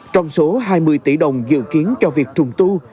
trong số hai mươi tỷ đồng dự kiến cho việc trùng tu